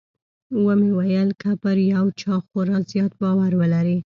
ومې ويل که پر يو چا خورا زيات باور ولرې.